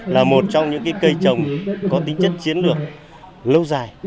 là một trong những cây trồng có tính chất chiến lược lâu dài